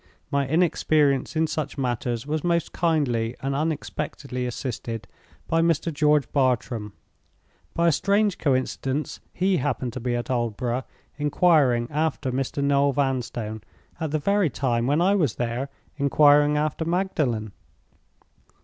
My inexperience in such matters was most kindly and unexpectedly assisted by Mr. George Bartram. By a strange coincidence, he happened to be at Aldborough, inquiring after Mr. Noel Vanstone, at the very time when I was there inquiring after Magdalen.